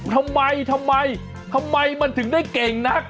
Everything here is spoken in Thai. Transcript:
ทำไมทำไมมันถึงได้เก่งนัก